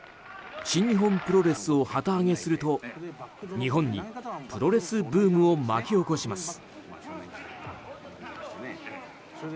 新日本プロレスを旗揚げすると日本にプロレスブームを巻き起こします。